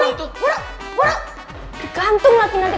mas al sepah orang dateng